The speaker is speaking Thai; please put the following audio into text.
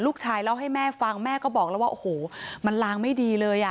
เล่าให้แม่ฟังแม่ก็บอกแล้วว่าโอ้โหมันลางไม่ดีเลยอ่ะ